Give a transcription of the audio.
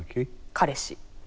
彼氏。